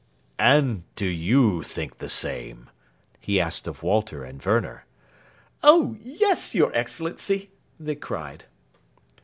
"And do you think the same?" he asked of Walter and Werner. "Oh yes, your Excellency!" they cried.